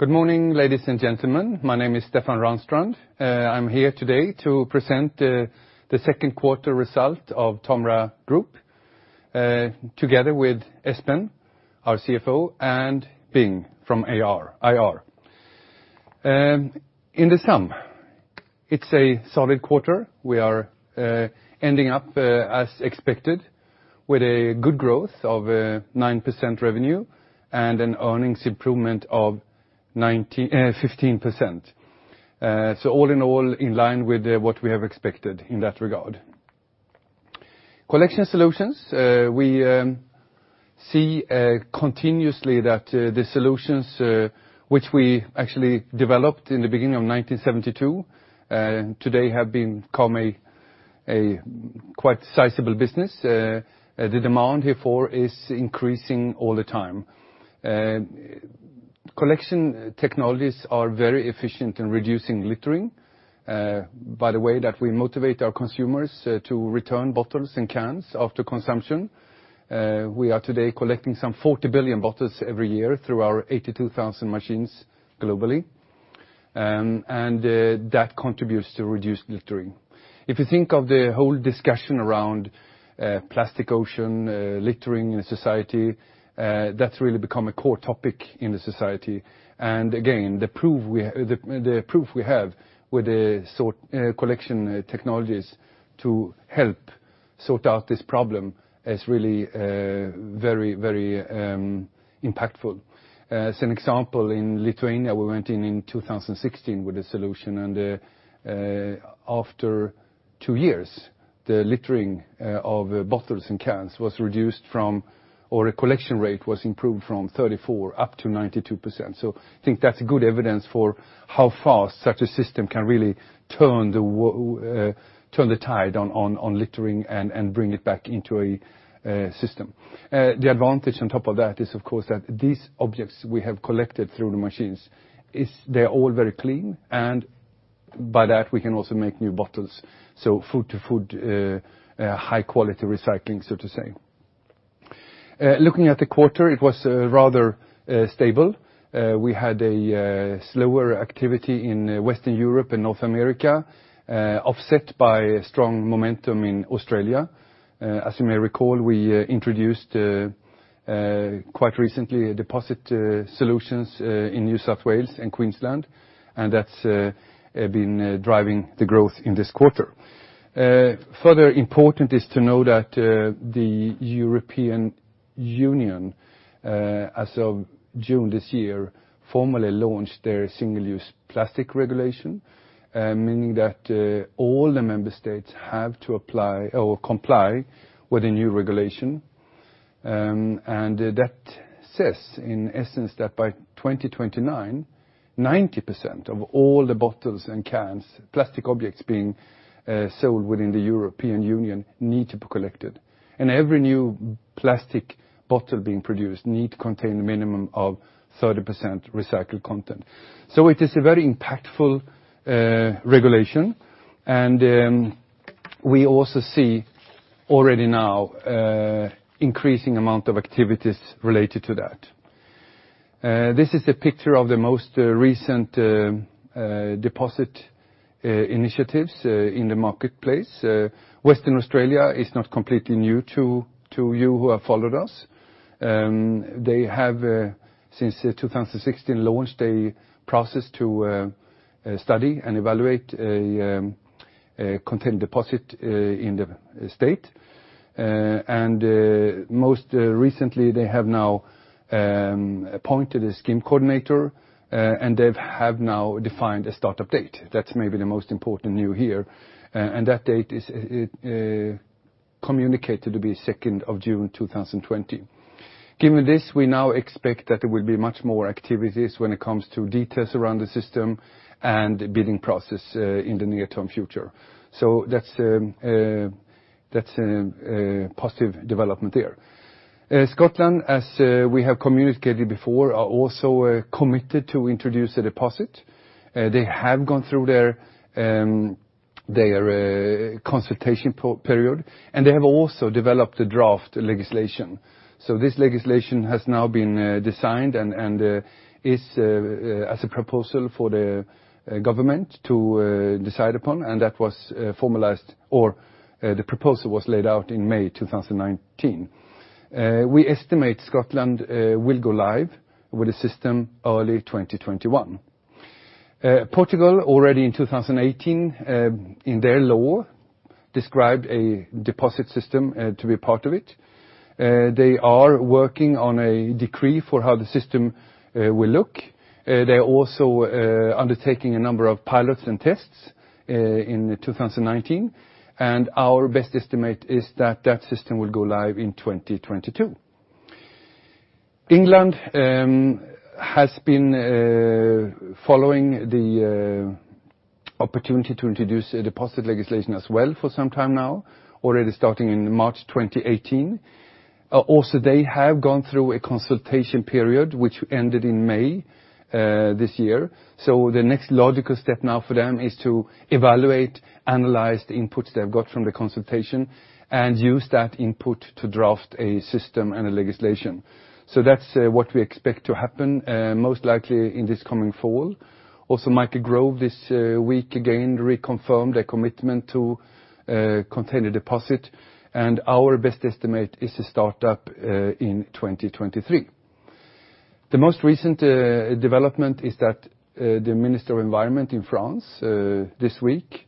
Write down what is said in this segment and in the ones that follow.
Good morning, ladies and gentlemen. My name is Stefan Ranstrand. I am here today to present the second quarter result of TOMRA Group, together with Espen, our CFO, and Bing from IR. In the sum, it is a solid quarter. We are ending up as expected with a good growth of 9% revenue and an earnings improvement of 15%. All in all, in line with what we have expected in that regard. Collection Solutions, we see continuously that the solutions which we actually developed in the beginning of 1972, today have become a quite sizable business. The demand therefore is increasing all the time. Collection technologies are very efficient in reducing littering, by the way that we motivate our consumers to return bottles and cans after consumption. We are today collecting some 40 billion bottles every year through our 82,000 machines globally, and that contributes to reduced littering. If you think of the whole discussion around plastic ocean littering in society, that's really become a core topic in the society. Again, the proof we have with the sort collection technologies to help sort out this problem is really very impactful. As an example, in Lithuania, we went in in 2016 with a solution and after two years, the littering of bottles and cans was reduced from, or a collection rate was improved from 34% up to 92%. I think that's good evidence for how fast such a system can really turn the tide on littering and bring it back into a system. The advantage on top of that is, of course, that these objects we have collected through the machines is they're all very clean, and by that we can also make new bottles. Food to food, high quality recycling, so to say. Looking at the quarter, it was rather stable. We had a slower activity in Western Europe and North America, offset by strong momentum in Australia. As you may recall, we introduced quite recently deposit solutions in New South Wales and Queensland, and that's been driving the growth in this quarter. Further important is to know that the European Union, as of June this year, formally launched their single-use plastic regulation, meaning that all the member states have to comply with the new regulation. That says, in essence, that by 2029, 90% of all the bottles and cans, plastic objects being sold within the European Union need to be collected. Every new plastic bottle being produced need to contain a minimum of 30% recycled content. It is a very impactful regulation, and we also see already now increasing amount of activities related to that. This is a picture of the most recent deposit initiatives in the marketplace. Western Australia is not completely new to you who have followed us. They have, since 2016, launched a process to study and evaluate a container deposit in the state. Most recently, they have now appointed a scheme coordinator, and they have now defined a start-up date. That's maybe the most important new here, and that date is communicated to be 2nd of June 2020. Given this, we now expect that there will be much more activities when it comes to details around the system and the bidding process in the near-term future. That's a positive development there. Scotland, as we have communicated before, are also committed to introduce a deposit. They have gone through their consultation period, and they have also developed a draft legislation. This legislation has now been designed and is as a proposal for the government to decide upon, and that was formalized, or the proposal was laid out in May 2019. We estimate Scotland will go live with the system early 2021. Portugal, already in 2018, in their law, described a deposit system to be part of it. They are working on a decree for how the system will look. They're also undertaking a number of pilots and tests in 2019. Our best estimate is that that system will go live in 2022. England has been following the opportunity to introduce a deposit legislation as well for some time now, already starting in March 2018. Also, they have gone through a consultation period, which ended in May this year. The next logical step now for them is to evaluate, analyze the inputs they've got from the consultation, and use that input to draft a system and a legislation. That's what we expect to happen, most likely in this coming fall. Michael Gove, this week again reconfirmed a commitment to container deposit, and our best estimate is to start up in 2023. The most recent development is that the Minister of Environment in France this week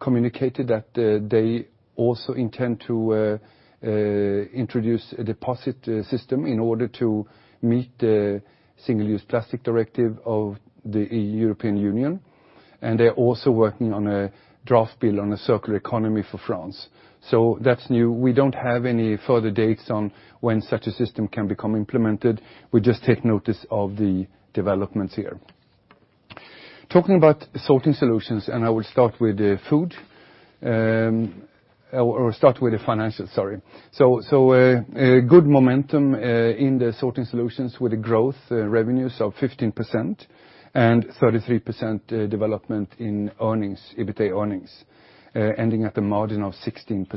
communicated that they also intend to introduce a deposit system in order to meet the Single-Use Plastics Directive of the European Union, and they're also working on a draft bill on a circular economy for France. That's new. We don't have any further dates on when such a system can become implemented. We just take notice of the developments here. Talking about Sorting Solutions, and I will start with the financials, sorry. A good momentum in the Sorting Solutions with the growth revenues of 15% and 33% development in earnings, EBITDA earnings, ending at the margin of 16%.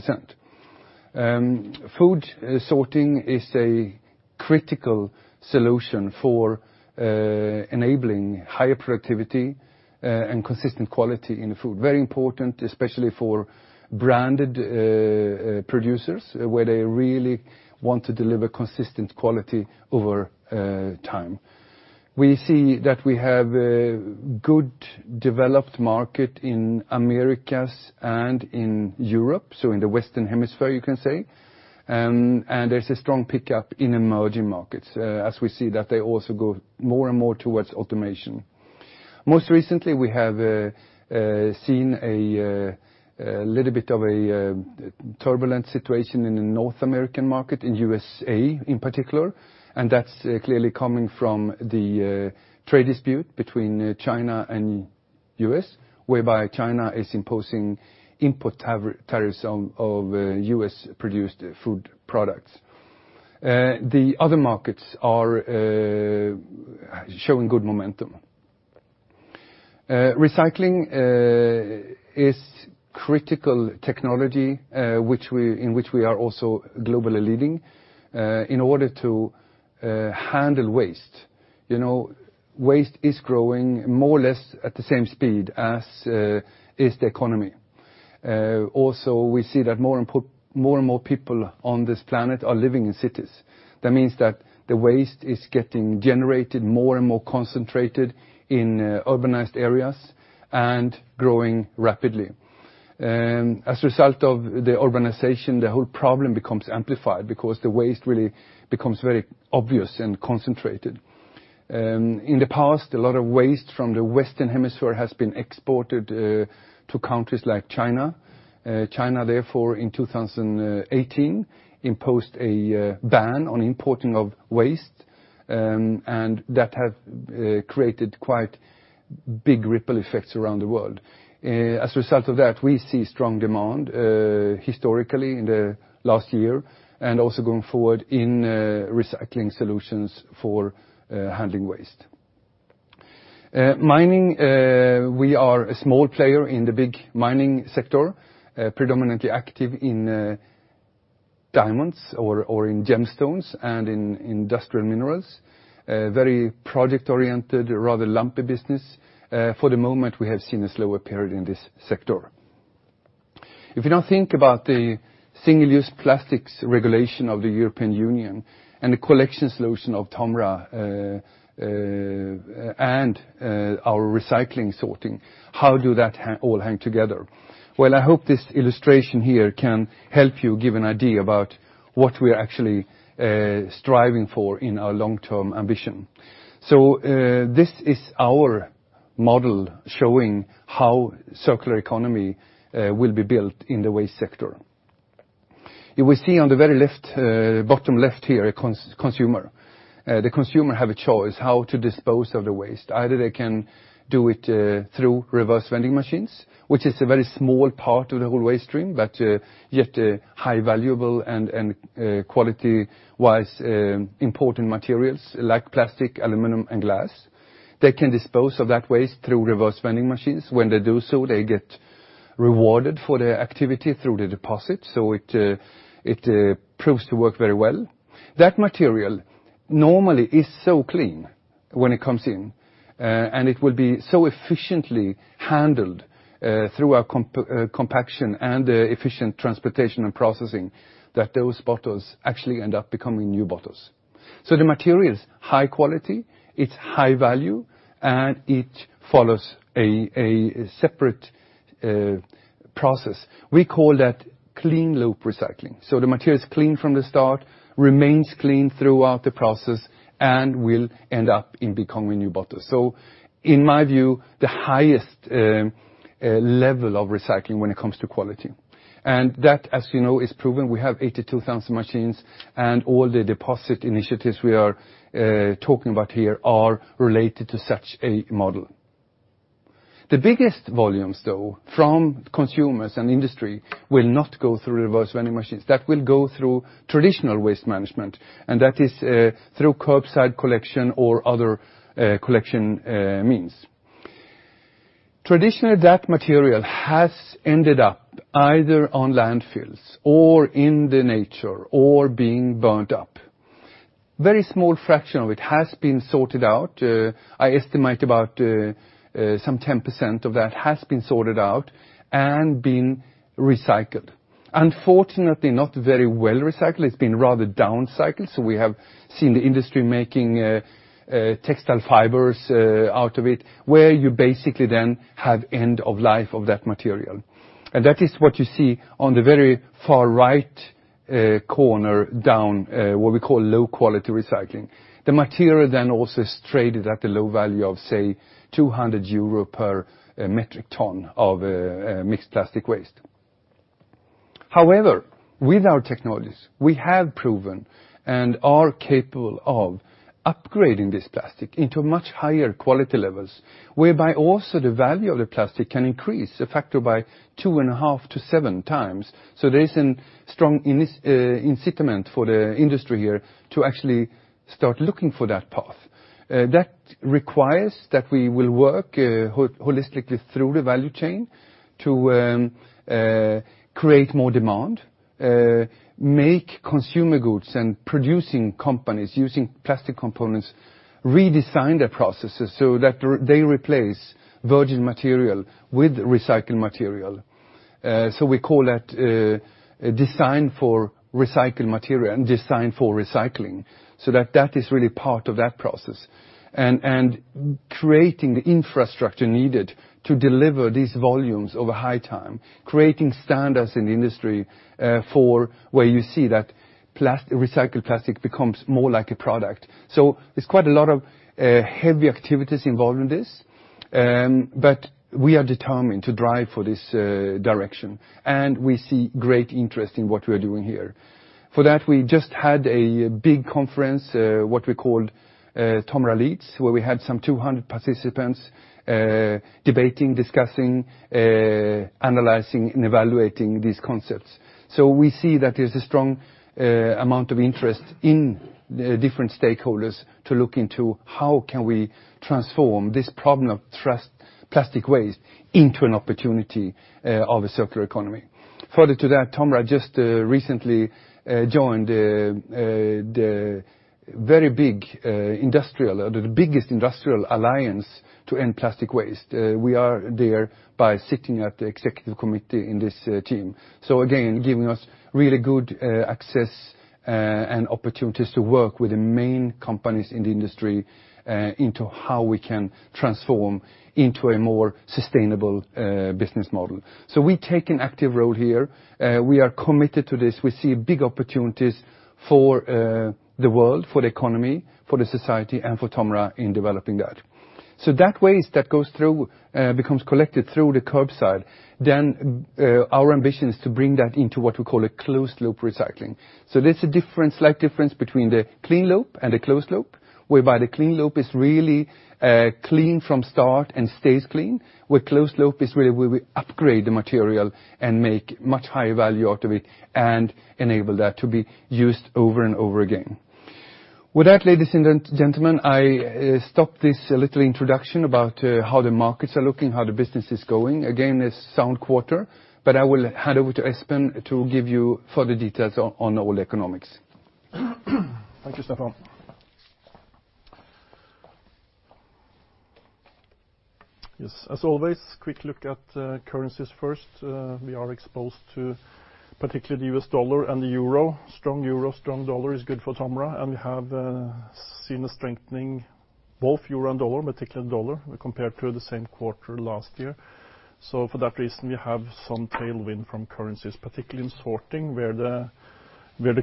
Food sorting is a critical solution for enabling higher productivity and consistent quality in food. Very important, especially for branded producers, where they really want to deliver consistent quality over time. We see that we have a good, developed market in Americas and in Europe, so in the Western hemisphere, you can say. There's a strong pickup in emerging markets as we see that they also go more and more towards automation. Most recently, we have seen a little bit of a turbulent situation in the North American market, in USA in particular, and that's clearly coming from the trade dispute between China and U.S., whereby China is imposing import tariffs of U.S.-produced food products. The other markets are showing good momentum. Recycling is critical technology in which we are also globally leading, in order to handle waste. Waste is growing more or less at the same speed as is the economy. We see that more and more people on this planet are living in cities. That means that the waste is getting generated more and more concentrated in urbanized areas and growing rapidly. As a result of the urbanization, the whole problem becomes amplified because the waste really becomes very obvious and concentrated. In the past, a lot of waste from the Western hemisphere has been exported to countries like China. China, therefore, in 2018, imposed a ban on importing of waste, and that has created quite big ripple effects around the world. As a result of that, we see strong demand historically in the last year, and also going forward in recycling solutions for handling waste. Mining, we are a small player in the big mining sector, predominantly active in diamonds or in gemstones and in industrial minerals. Very project-oriented, rather lumpy business. For the moment, we have seen a slower period in this sector. If you now think about the Single-Use Plastics Regulation of the European Union and the Collection Solutions of TOMRA and our recycling sorting, how do that all hang together? Well, I hope this illustration here can help you give an idea about what we're actually striving for in our long-term ambition. This is our model showing how circular economy will be built in the waste sector. If we see on the very bottom left here, a consumer. The consumer have a choice how to dispose of the waste. Either they can do it through reverse vending machines, which is a very small part of the whole waste stream, but yet high valuable and quality-wise important materials like plastic, aluminum, and glass. They can dispose of that waste through reverse vending machines. When they do so, they get rewarded for their activity through the deposit. It proves to work very well. That material normally is so clean when it comes in, and it will be so efficiently handled through our compaction and efficient transportation and processing, that those bottles actually end up becoming new bottles. The material is high quality, it's high value, and it follows a separate process. We call that Clean Loop Recycling. The material's clean from the start, remains clean throughout the process, and will end up in becoming a new bottle. In my view, the highest level of recycling when it comes to quality. That, as you know, is proven. We have 82,000 machines, and all the deposit initiatives we are talking about here are related to such a model. The biggest volumes though, from consumers and industry, will not go through reverse vending machines. That will go through traditional waste management. That is through curbside collection or other collection means. Traditionally, that material has ended up either on landfills or in the nature or being burnt up. Very small fraction of it has been sorted out. I estimate about some 10% of that has been sorted out and been recycled. Unfortunately, not very well recycled. It's been rather downcycled. We have seen the industry making textile fibers out of it, where you basically then have end of life of that material. That is what you see on the very far right corner down, what we call low quality recycling. The material then also is traded at the low value of, say, 200 euro per metric ton of mixed plastic waste. However, with our technologies, we have proven and are capable of upgrading this plastic into much higher quality levels, whereby also the value of the plastic can increase a factor by 2.5 to 7 times. There is a strong incentive for the industry here to actually start looking for that path. That requires that we will work holistically through the value chain to create more demand, make consumer goods, and producing companies using plastic components, redesign their processes so that they replace virgin material with recycled material. We call that design for recycled material and design for recycling, so that is really part of that process. Creating the infrastructure needed to deliver these volumes over high time, creating standards in the industry for where you see that recycled plastic becomes more like a product. It's quite a lot of heavy activities involved in this. We are determined to drive for this direction, and we see great interest in what we're doing here. For that, we just had a big conference, what we called TOMRA Leads, where we had some 200 participants, debating, discussing, analyzing, and evaluating these concepts. We see that there's a strong amount of interest in different stakeholders to look into how can we transform this problem of plastic waste into an opportunity of a circular economy. Further to that, TOMRA just recently joined the biggest industrial Alliance to End Plastic Waste. We are there by sitting at the executive committee in this team. Again, giving us really good access and opportunities to work with the main companies in the industry into how we can transform into a more sustainable business model. We take an active role here. We are committed to this. We see big opportunities for the world, for the economy, for the society, and for TOMRA in developing that. That waste that goes through becomes collected through the curbside, then our ambition is to bring that into what we call a closed loop recycling. There's a slight difference between the Clean Loop and a closed loop, whereby the Clean Loop is really clean from start and stays clean, where closed loop is really where we upgrade the material and make much higher value out of it and enable that to be used over and over again. With that, ladies and gentlemen, I stop this little introduction about how the markets are looking, how the business is going. Again, a sound quarter, but I will hand over to Espen to give you further details on all the economics. Thank you, Stefan. Yes, as always, quick look at currencies first. We are exposed to particularly the US dollar and the euro. Strong euro, strong dollar is good for TOMRA, and we have seen a strengthening both euro and dollar, particularly dollar, compared to the same quarter last year. For that reason, we have some tailwind from currencies, particularly in sorting, where the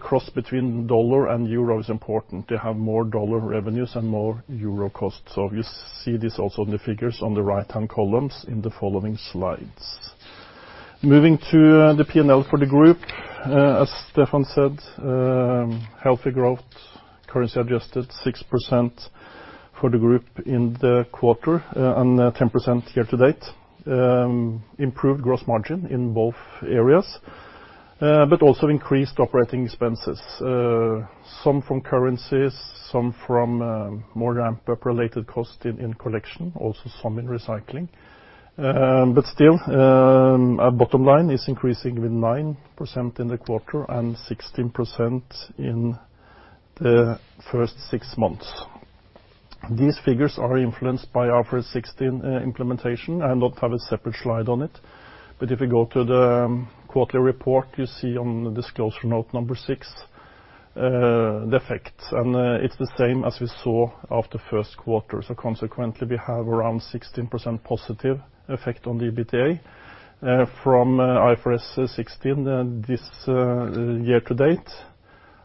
cross between USD and EUR is important to have more USD revenues and more EUR costs. You see this also in the figures on the right-hand columns in the following slides. Moving to the P&L for the group. As Stefan said, healthy growth, currency adjusted 6% for the group in the quarter and 10% year-to-date. Improved gross margin in both areas, but also increased operating expenses, some from currencies, some from more ramp-up related costs in Collection, also some in Recycling. Still, our bottom line is increasing with 9% in the quarter and 16% in the first six months. These figures are influenced by IFRS 16 implementation. I don't have a separate slide on it, but if you go to the quarterly report, you see on disclosure note number six, the effects, and it's the same as we saw after first quarter. Consequently, we have around 16% positive effect on the EBITDA from IFRS 16 this year to date,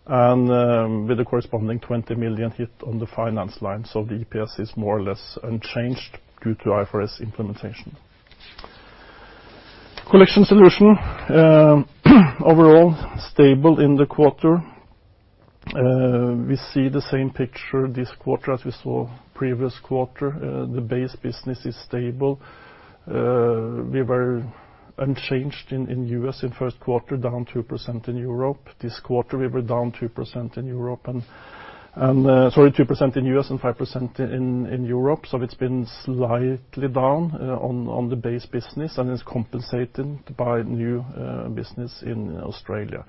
and with the corresponding 20 million hit on the finance line, so the EPS is more or less unchanged due to IFRS implementation. Collection Solutions. Overall, stable in the quarter. We see the same picture this quarter as we saw previous quarter. The base business is stable. We were unchanged in U.S. in first quarter, down 2% in Europe. This quarter, we were down 2% in U.S. and 5% in Europe. It's been slightly down on the base business, and it's compensated by new business in Australia.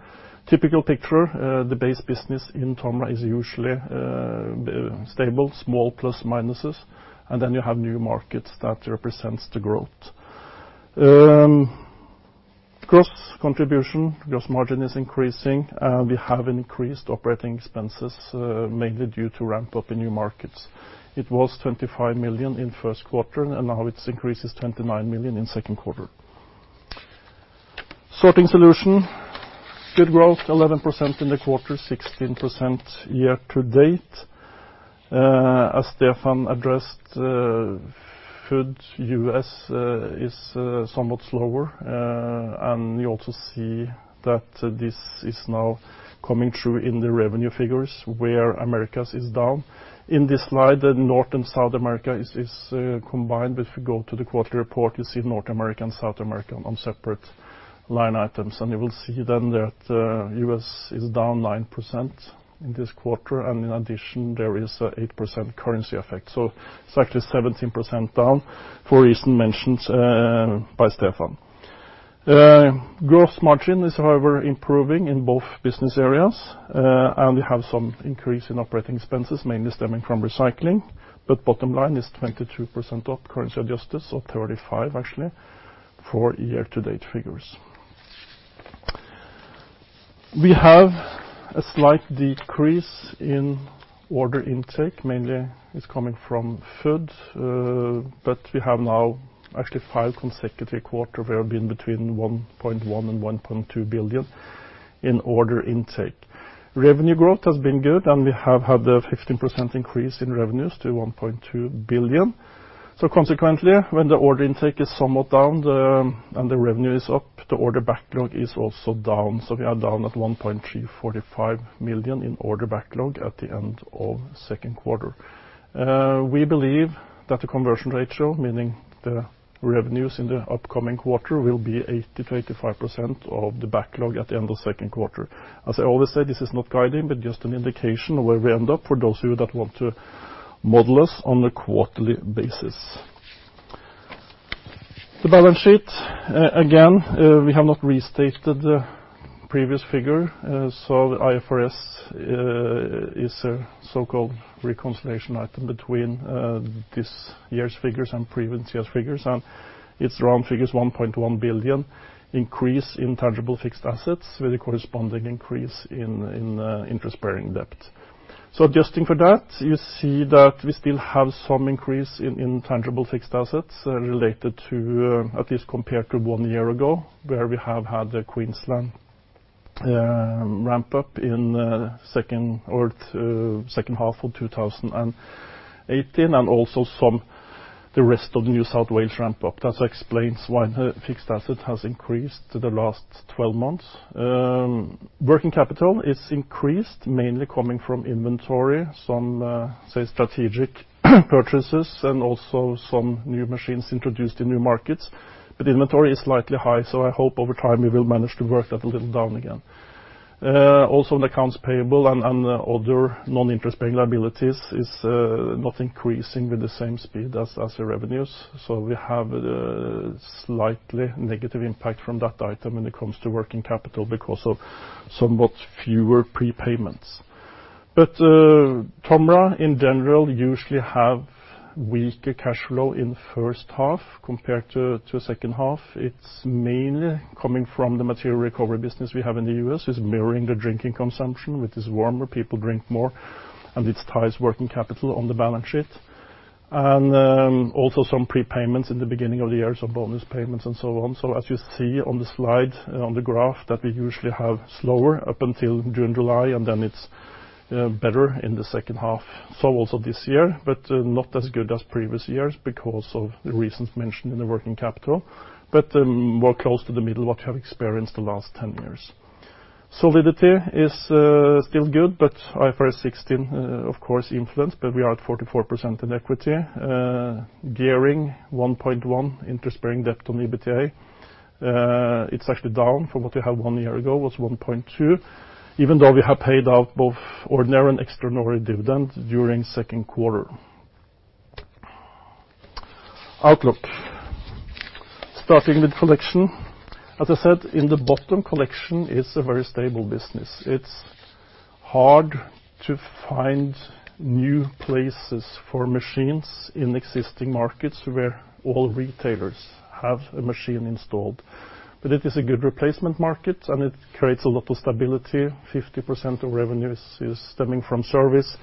Typical picture, the base business in TOMRA is usually stable, small plus minuses, and then you have new markets that represents the growth. Gross contribution, gross margin is increasing. We have increased operating expenses, mainly due to ramp up in new markets. It was 25 million in first quarter, and now it increases to 29 million in second quarter. Sorting Solutions, good growth, 11% in the quarter, 16% year-to-date. As Stefan addressed, food U.S. is somewhat slower. You also see that this is now coming through in the revenue figures, where Americas is down. In this slide, the North and South America is combined. If you go to the quarterly report, you see North America and South America on separate line items. You will see then that U.S. is down 9% in this quarter, and in addition, there is 8% currency effect. It's actually 17% down for reasons mentioned by Stefan. Gross margin is, however, improving in both business areas. We have some increase in operating expenses, mainly stemming from recycling. Bottom line is 22% up currency adjusted, 35% actually, for year-to-date figures. We have a slight decrease in order intake. Mainly, it's coming from food. We have now actually five consecutive quarters where have been between 1.1 billion and 1.2 billion in order intake. Revenue growth has been good, and we have had a 15% increase in revenues to 1.2 billion. Consequently, when the order intake is somewhat down and the revenue is up, the order backlog is also down. We are down at 1,345 million in order backlog at the end of second quarter. We believe that the conversion ratio, meaning the revenues in the upcoming quarter, will be 80%-85% of the backlog at the end of second quarter. As I always say, this is not guiding, but just an indication of where we end up for those who that want to model us on a quarterly basis. The balance sheet. Again, we have not restated the previous figure. The IFRS is a so-called reconciliation item between this year's figures and previous year's figures, and it's around figures 1.1 billion increase in tangible fixed assets with a corresponding increase in interest-bearing debt. Adjusting for that, you see that we still have some increase in tangible fixed assets related to, at least compared to one year ago, where we have had the Queensland ramp up in second half of 2018 and also the rest of the New South Wales ramp up. That explains why the fixed asset has increased the last 12 months. Working capital is increased, mainly coming from inventory, some, say, strategic purchases, and also some new machines introduced in new markets. Inventory is slightly high, so I hope over time we will manage to work that a little down again. Also, the accounts payable and other non-interest paying liabilities is not increasing with the same speed as the revenues. We have a slightly negative impact from that item when it comes to working capital because of somewhat fewer prepayments. TOMRA, in general, usually have weaker cash flow in the first half compared to second half. It's mainly coming from the material recovery business we have in the U.S. It's mirroring the drinking consumption, which is warmer, people drink more, and it ties working capital on the balance sheet. Also some prepayments in the beginning of the year, some bonus payments and so on. As you see on the slide on the graph that we usually have slower up until June, July, and then it's better in the second half. Also this year, but not as good as previous years because of the reasons mentioned in the working capital, but more close to the middle of what we have experienced the last 10 years. Solidity is still good, but IFRS 16, of course, influence, but we are at 44% in equity. Gearing, 1.1 interest-bearing debt on the EBITDA. It's actually down from what we had one year ago. It was 1.2, even though we have paid out both ordinary and extraordinary dividend during second quarter. Outlook. Starting with collection. As I said, in the bottom, collection is a very stable business. It's hard to find new places for machines in existing markets where all retailers have a machine installed. It is a good replacement market, and it creates a lot of stability. 50% of revenues is stemming from service.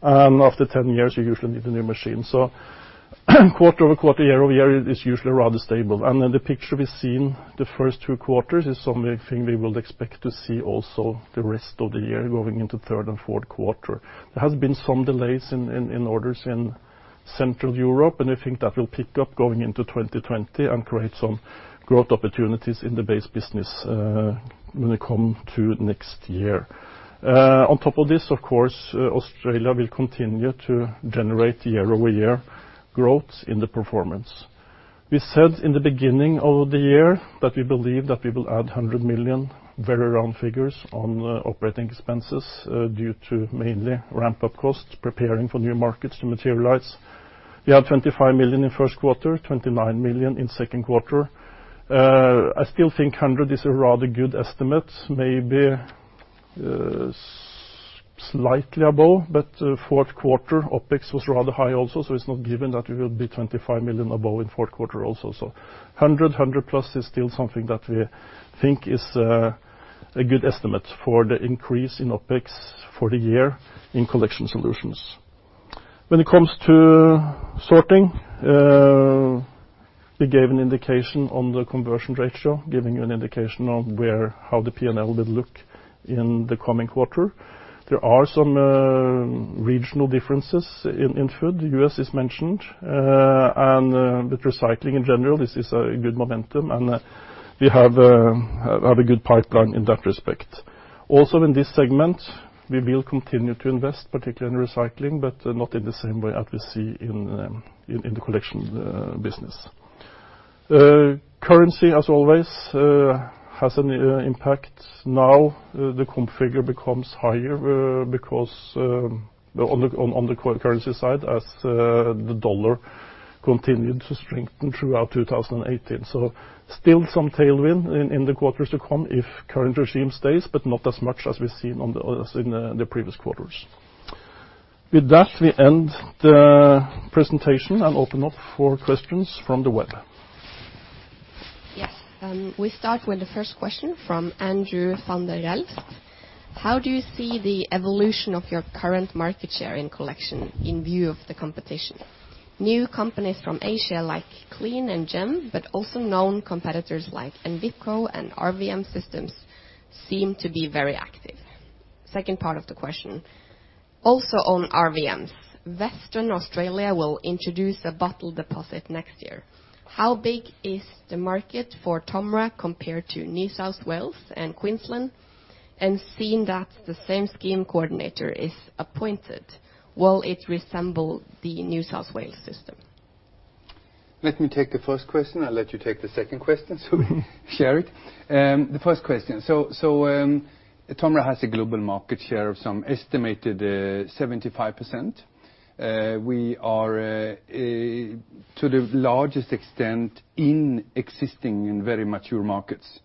After 10 years, you usually need a new machine. Quarter-over-quarter, year-over-year, it is usually rather stable. The picture we've seen the first two quarters is something we will expect to see also the rest of the year going into third and fourth quarter. There has been some delays in orders in Central Europe, we think that will pick up going into 2020 and create some growth opportunities in the base business when we come to next year. On top of this, of course, Australia will continue to generate year-over-year growth in the performance. We said in the beginning of the year that we believe that we will add 100 million, very round figures, on operating expenses due to mainly ramp-up costs, preparing for new markets to materialize. We had 25 million in the first quarter, 29 million in the second quarter. I still think 100 is a rather good estimate, maybe slightly above, but the fourth quarter OpEx was rather high also, so it's not given that we will be 25 million above in the fourth quarter also. 100-plus is still something that we think is a good estimate for the increase in OpEx for the year in Collection Solutions. When it comes to Sorting, we gave an indication on the conversion ratio, giving you an indication of how the P&L will look in the coming quarter. There are some regional differences in food. The U.S. is mentioned. With recycling in general, this is a good momentum, and we have a good pipeline in that respect. Also in this segment, we will continue to invest, particularly in recycling, but not in the same way as we see in the collection business. Currency, as always, has an impact. The figure becomes higher on the currency side, as the dollar continued to strengthen throughout 2018. Still some tailwind in the quarters to come if current regime stays, but not as much as we've seen in the previous quarters. With that, we end the presentation and open up for questions from the web. Yes. We start with the first question from Andrew van der Walt. How do you see the evolution of your current market share in collection in view of the competition? New companies from Asia like CLEAN and GEM, but also known competitors like Envipco and RVM Systems seem to be very active. Second part of the question, also on RVMs. Western Australia will introduce a bottle deposit next year. How big is the market for TOMRA compared to New South Wales and Queensland, and seeing that the same scheme coordinator is appointed, will it resemble the New South Wales system? Let me take the first question. I'll let you take the second question, so we can share it. The first question. TOMRA has a global market share of some estimated 75%. We are to the largest extent in existing and very mature markets.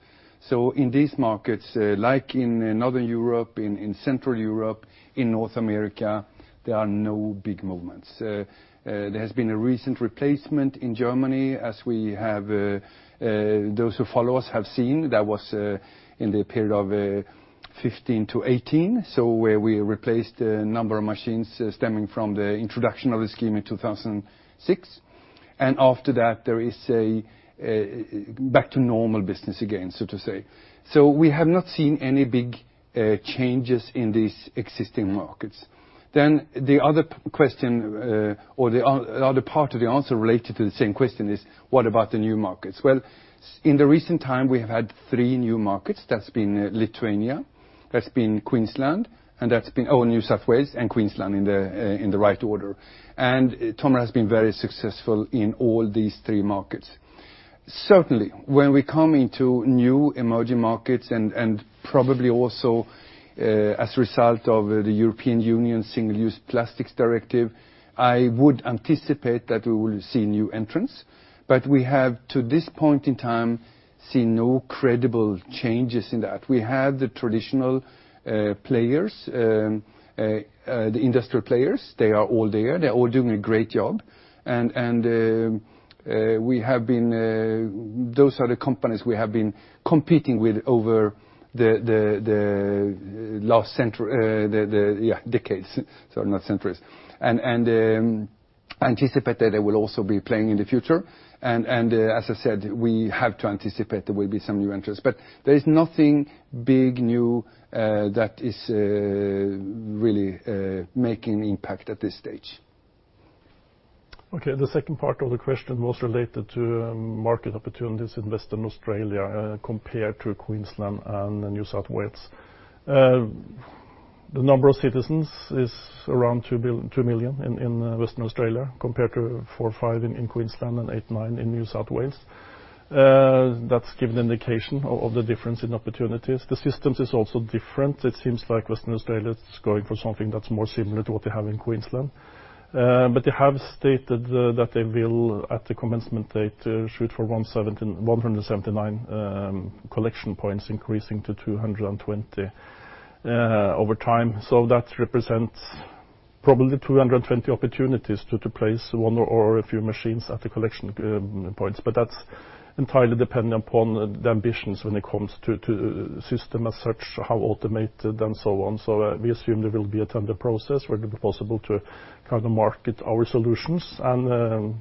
In these markets, like in Northern Europe, in Central Europe, in North America, there are no big movements. There has been a recent replacement in Germany, as those who follow us have seen. That was in the period of 2015-2018, where we replaced a number of machines stemming from the introduction of the scheme in 2006. After that, there is back to normal business again, so to say. We have not seen any big changes in these existing markets. The other question, or the other part of the answer related to the same question is what about the new markets? In the recent time, we have had 3 new markets. That's been Lithuania, that's been Queensland, and that's been, oh, New South Wales and Queensland in the right order. TOMRA has been very successful in all these 3 markets. Certainly, when we come into new emerging markets and probably also as a result of the European Union's Single-Use Plastics Directive, I would anticipate that we will see new entrants. We have, to this point in time, seen no credible changes in that. We have the traditional players, the industrial players. They are all there. They're all doing a great job. Those are the companies we have been competing with over the last decades, sorry, not centuries. Anticipate that they will also be playing in the future. As I said, we have to anticipate there will be some new entrants. There is nothing big, new that is really making an impact at this stage. The second part of the question was related to market opportunities in Western Australia compared to Queensland and New South Wales. The number of citizens is around 2 million in Western Australia compared to 4, 5 in Queensland and 8, 9 in New South Wales. That gives an indication of the difference in opportunities. The systems is also different. It seems like Western Australia is going for something that's more similar to what they have in Queensland. They have stated that they will, at the commencement date, shoot for 179 collection points, increasing to 220 over time. That represents probably 220 opportunities to place one or a few machines at the collection points. That's entirely dependent upon the ambitions when it comes to system as such, how automated and so on. We assume there will be a tender process where it will be possible to kind of market our solutions.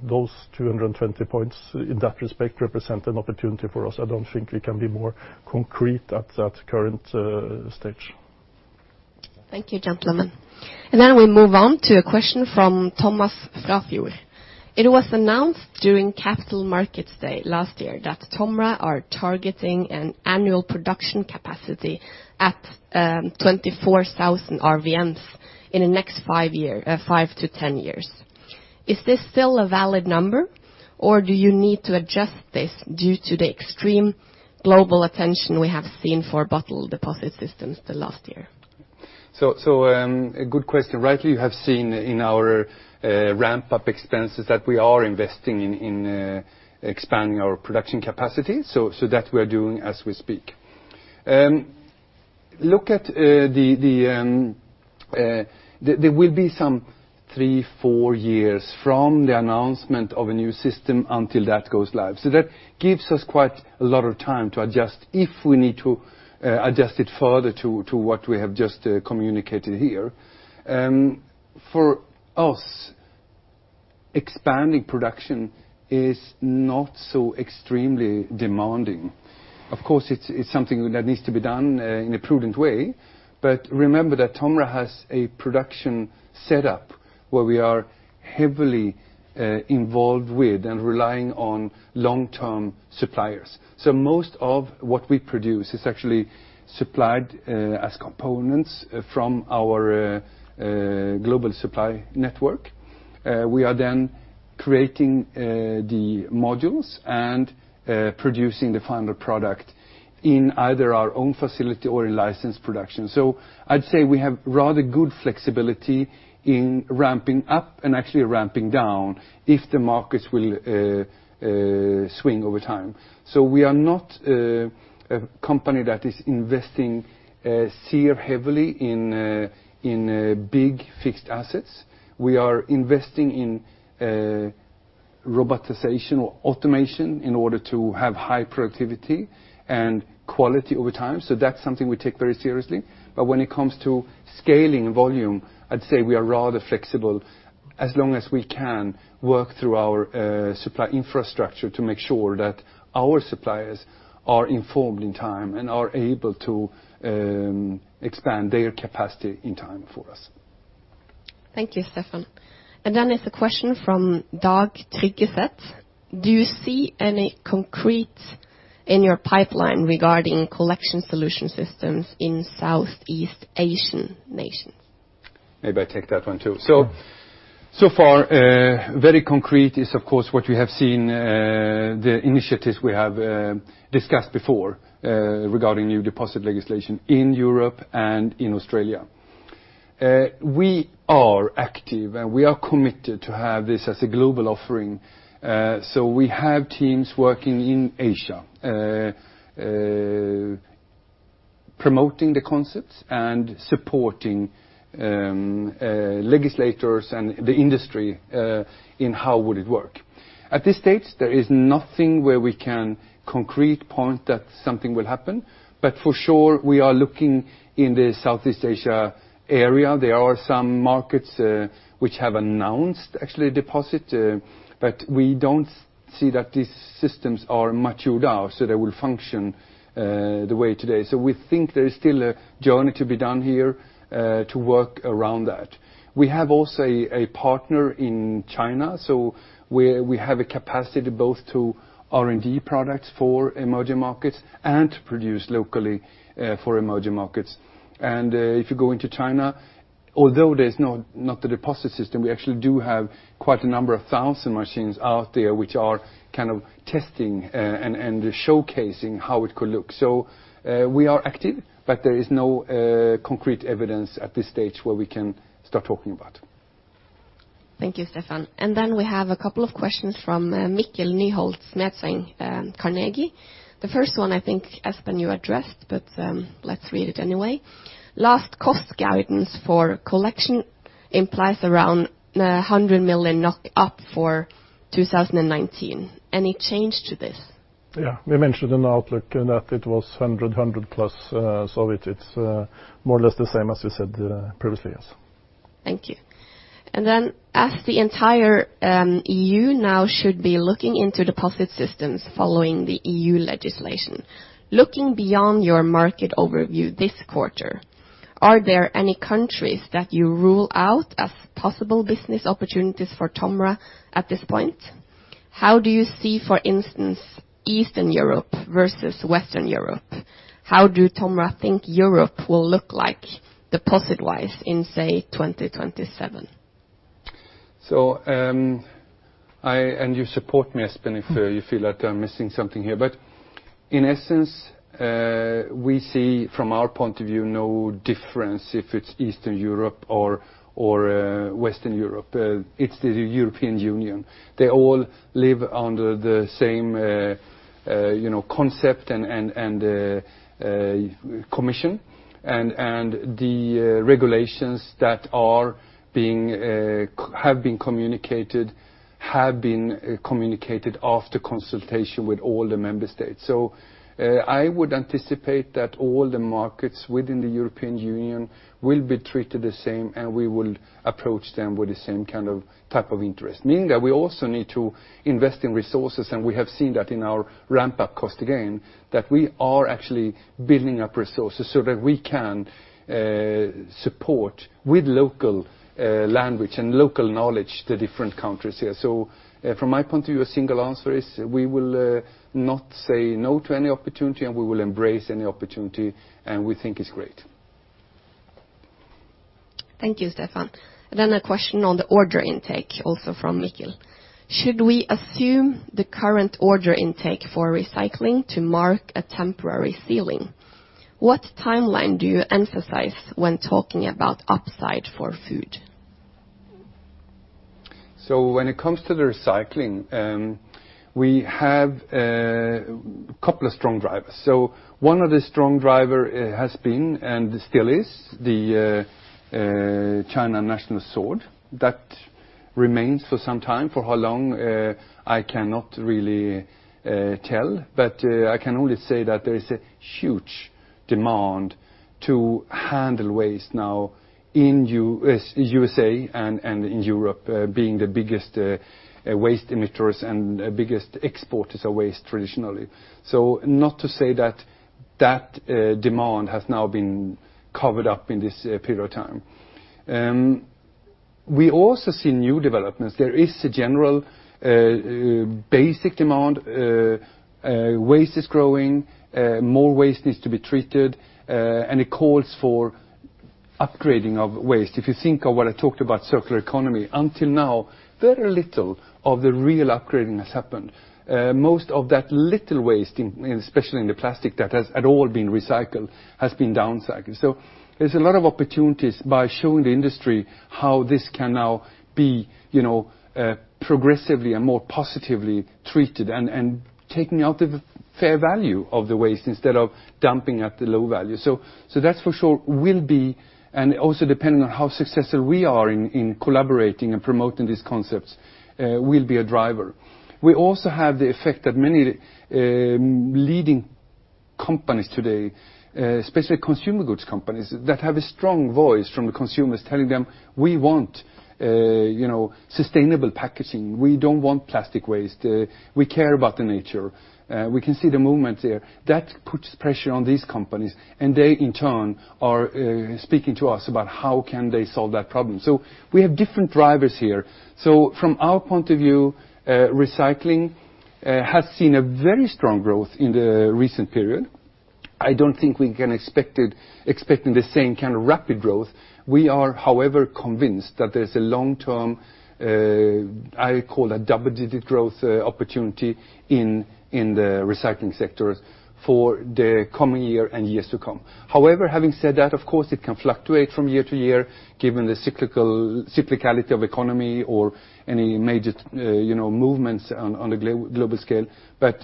Those 220 points, in that respect, represent an opportunity for us. I don't think we can be more concrete at that current stage. Thank you, gentleman. We move on to a question from Thomas Frafjord. It was announced during Capital Markets Day last year that TOMRA are targeting an annual production capacity at 24,000 RVMs in the next 5 to 10 years. Is this still a valid number, or do you need to adjust this due to the extreme global attention we have seen for bottle deposit systems the last year? A good question. Rightly, you have seen in our ramp-up expenses that we are investing in expanding our production capacity. That we are doing as we speak. There will be some three, four years from the announcement of a new system until that goes live. That gives us quite a lot of time to adjust if we need to adjust it further to what we have just communicated here. For us, expanding production is not so extremely demanding. Of course, it's something that needs to be done in a prudent way, but remember that TOMRA has a production set up where we are heavily involved with, and relying on long-term suppliers. Most of what we produce is actually supplied as components from our global supply network. We are then creating the modules and producing the final product in either our own facility or in licensed production. I'd say we have rather good flexibility in ramping up and actually ramping down if the markets will swing over time. We are not a company that is investing sheer heavily in big fixed assets. We are investing in robotization or automation in order to have high productivity and quality over time. That's something we take very seriously. When it comes to scaling volume, I'd say we are rather flexible as long as we can work through our supply infrastructure to make sure that our suppliers are informed in time and are able to expand their capacity in time for us. Thank you, Stefan. There's a question from Dag Trygveset. Do you see any concrete in your pipeline regarding Collection Solutions systems in Southeast Asian nations? Maybe I take that one too. Sure. Far, very concrete is, of course, what we have seen, the initiatives we have discussed before regarding new deposit legislation in Europe and in Australia. We are active, and we are committed to have this as a global offering. We have teams working in Asia, promoting the concepts and supporting legislators and the industry in how would it work. At this stage, there is nothing where we can concrete point that something will happen, but for sure we are looking in the Southeast Asia area. There are some markets which have announced actually deposit, but we don't see that these systems are matured out, so they will function the way today. We think there is still a journey to be done here to work around that. We have also a partner in China, so we have a capacity both to R&D products for emerging markets and to produce locally for emerging markets. If you go into China, although there's not the deposit system, we actually do have quite a number of thousand machines out there, which are kind of testing and showcasing how it could look. We are active, but there is no concrete evidence at this stage where we can start talking about. Thank you, Stefan. We have a couple of questions from Mikkel Nyholt-Smedseng, Carnegie. The first one, I think, Espen, you addressed, but let's read it anyway. Last cost guidance for collection implies around 100 million NOK up for 2019. Any change to this? Yeah. We mentioned in the outlook that it was 100+, it's more or less the same as we said previously. Yes. Thank you. As the entire EU now should be looking into deposit systems following the EU legislation, looking beyond your market overview this quarter, are there any countries that you rule out as possible business opportunities for TOMRA at this point? How do you see, for instance, Eastern Europe versus Western Europe? How do TOMRA think Europe will look like deposit-wise in, say, 2027? You support me, Espen, if you feel like I'm missing something here. In essence, we see from our point of view, no difference if it's Eastern Europe or Western Europe. It's the European Union. They all live under the same concept and commission, and the regulations that have been communicated after consultation with all the member states. I would anticipate that all the markets within the European Union will be treated the same, we will approach them with the same type of interest, meaning that we also need to invest in resources. We have seen that in our ramp-up cost again, that we are actually building up resources so that we can support with local language and local knowledge, the different countries here. From my point of view, a single answer is we will not say no to any opportunity, we will embrace any opportunity, we think it's great. Thank you, Stefan. A question on the order intake also from Mikkel. Should we assume the current order intake for recycling to mark a temporary ceiling? What timeline do you emphasize when talking about upside for food? When it comes to the recycling, we have a couple of strong drivers. One of the strong driver has been, and still is, the China National Sword that remains for some time. For how long, I cannot really tell, but I can only say that there is a huge demand to handle waste now in U.S.A. and in Europe being the biggest waste emitters and biggest exporters of waste traditionally. Not to say that demand has now been covered up in this period of time. We also see new developments. There is a general basic demand. Waste is growing, more waste needs to be treated, and it calls for upgrading of waste. If you think of what I talked about circular economy, until now, very little of the real upgrading has happened. Most of that little waste, especially in the plastic that has at all been recycled, has been downcycled. There's a lot of opportunities by showing the industry how this can now be progressively and more positively treated, and taking out the fair value of the waste instead of dumping at the low value. That for sure will be, and also depending on how successful we are in collaborating and promoting these concepts, will be a driver. We also have the effect that many leading companies today, especially consumer goods companies, that have a strong voice from the consumers telling them, "We want sustainable packaging. We don't want plastic waste. We care about the nature." We can see the movement there. That puts pressure on these companies, and they in turn are speaking to us about how can they solve that problem. We have different drivers here. From our point of view, recycling has seen a very strong growth in the recent period. I don't think we can expect the same kind of rapid growth. We are, however, convinced that there's a long-term, I call a double-digit growth opportunity in the recycling sectors for the coming year and years to come. However, having said that, of course it can fluctuate from year to year given the cyclicality of economy or any major movements on the global scale.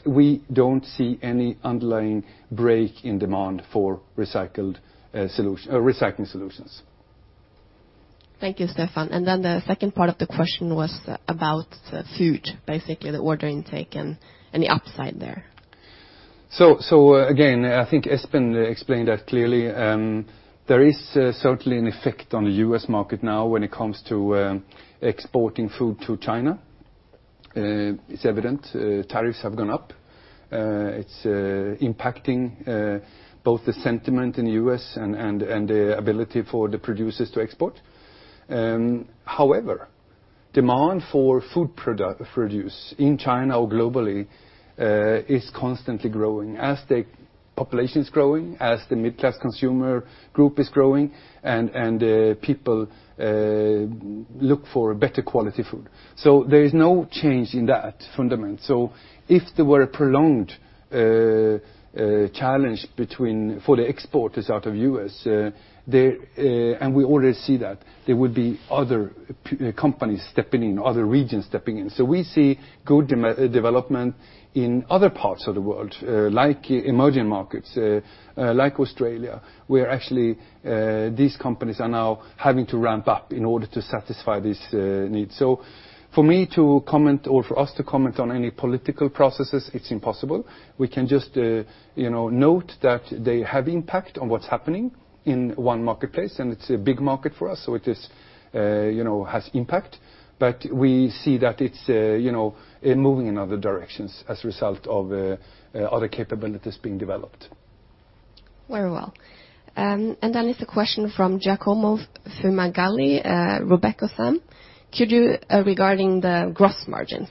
We don't see any underlying break in demand for recycling solutions. Thank you, Stefan. Then the second part of the question was about food, basically the order intake and the upside there. Again, I think Espen explained that clearly. There is certainly an effect on the U.S. market now when it comes to exporting food to China. It's evident. Tariffs have gone up. It's impacting both the sentiment in the U.S. and the ability for the producers to export. However, demand for food produce in China or globally, is constantly growing as the population is growing, as the middle-class consumer group is growing, and the people look for better quality food. There is no change in that fundament. If there were a prolonged challenge for the exporters out of U.S., and we already see that, there would be other companies stepping in, other regions stepping in. We see good development in other parts of the world, like emerging markets, like Australia, where actually these companies are now having to ramp up in order to satisfy this need. For me to comment or for us to comment on any political processes, it's impossible. We can just note that they have impact on what's happening in one marketplace, and it's a big market for us, it has impact. We see that it's moving in other directions as a result of other capabilities being developed. Very well. Then it's a question from Giacomo Fumagalli, Robeco. Regarding the gross margins.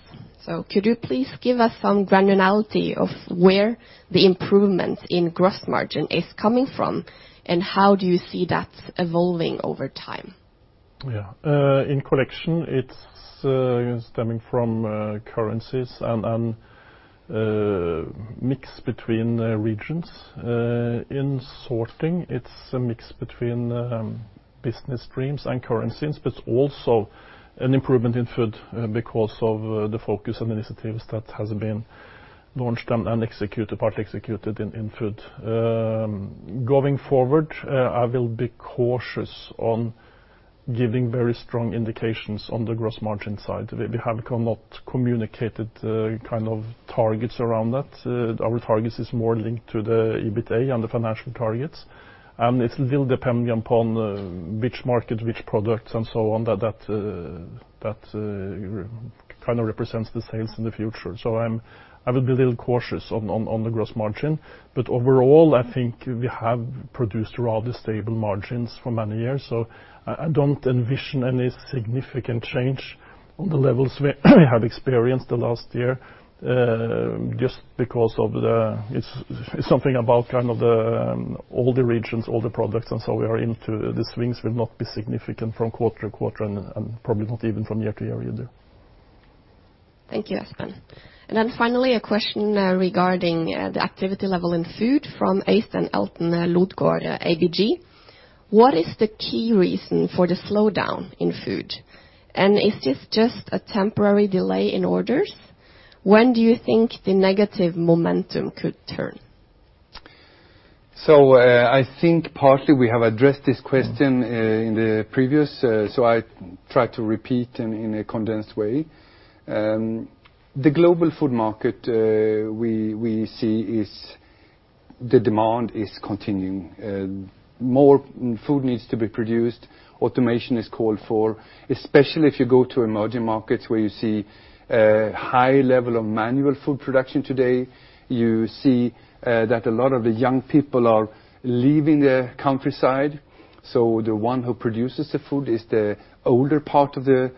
Could you please give us some granularity of where the improvements in gross margin is coming from, and how do you see that evolving over time? Yeah. In collection, it's stemming from currencies and mix between regions. In sorting, it's a mix between business streams and currencies, but also an improvement in food because of the focus on initiatives that has been launched and executed, partly executed in food. Going forward, I will be cautious on giving very strong indications on the gross margin side. We have not communicated kind of targets around that. Our targets is more linked to the EBITDA and the financial targets. It will depend upon which market, which products and so on, that kind of represents the sales in the future. I will be a little cautious on the gross margin. Overall, I think we have produced rather stable margins for many years, so I don't envision any significant change on the levels we have experienced the last year, just because of the. It's something about all the regions, all the products, and so the swings will not be significant from quarter to quarter, and probably not even from year to year either. Thank you, Espen. Finally, a question regarding the activity level in food from Eystein Elton, ABG. What is the key reason for the slowdown in food, and is this just a temporary delay in orders? When do you think the negative momentum could turn? I think partly we have addressed this question in the previous. I try to repeat in a condensed way. The global food market we see is the demand is continuing. More food needs to be produced. Automation is called for, especially if you go to emerging markets where you see a high level of manual food production today. You see that a lot of the young people are leaving the countryside. The one who produces the food is the older part of the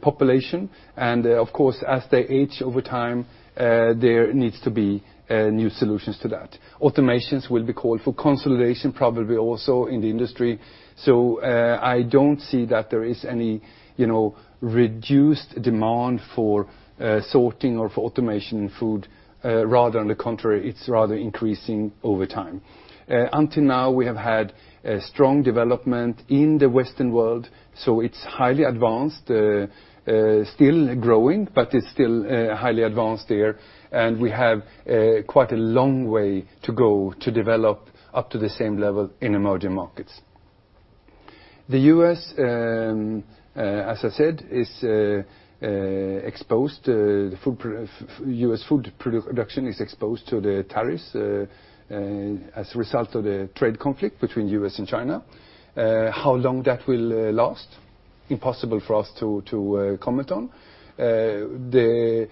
population. Of course, as they age over time, there needs to be new solutions to that. Automations will be called for consolidation probably also in the industry. I don't see that there is any reduced demand for sorting or for automation in food. Rather on the contrary, it's rather increasing over time. Until now, we have had a strong development in the Western world, so it's highly advanced. Still growing, but it's still highly advanced there, and we have quite a long way to go to develop up to the same level in emerging markets. The U.S., as I said, U.S. food production is exposed to the tariffs as a result of the trade conflict between U.S. and China. How long that will last, impossible for us to comment on. The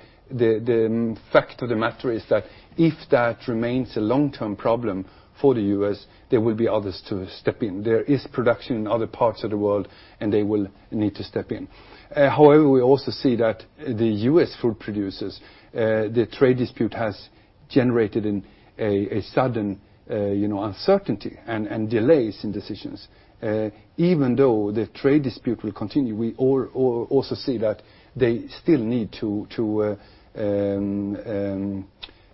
fact of the matter is that if that remains a long-term problem for the U.S., there will be others to step in. There is production in other parts of the world, and they will need to step in. However, we also see that the U.S. food producers, the trade dispute has generated a sudden uncertainty and delays in decisions. Even though the trade dispute will continue, we also see that they still need to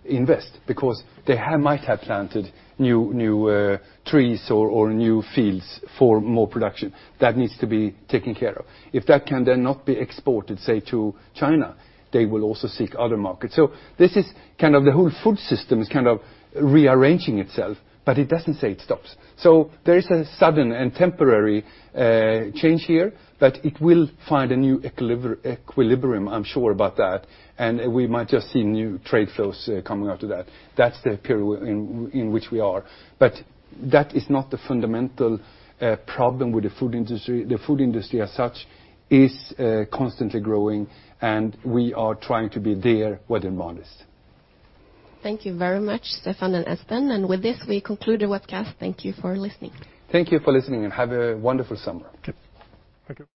invest because they might have planted new trees or new fields for more production. That needs to be taken care of. If that cannot be exported, say, to China, they will also seek other markets. The whole food system is kind of rearranging itself, but it doesn't say it stops. There is a sudden and temporary change here, but it will find a new equilibrium. I'm sure about that, and we might just see new trade flows coming out of that. That's the period in which we are. That is not the fundamental problem with the food industry. The food industry as such is constantly growing, and we are trying to be there where demand is. Thank you very much, Stefan and Espen, with this, we conclude the webcast. Thank you for listening. Thank you for listening, have a wonderful summer. Thank you.